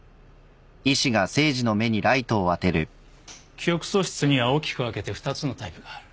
記憶喪失には大きく分けて２つのタイプがある。